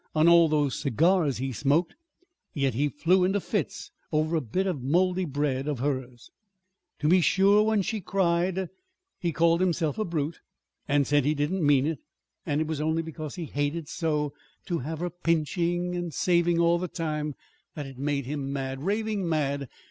on all those cigars he smoked. Yet he flew into fits over a bit of mouldy bread of hers. To be sure, when she cried, he called himself a brute, and said he didn't mean it, and it was only because he hated so to have her pinching and saving all the time that it made him mad raving mad.